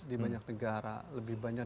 di banyak negara lebih banyak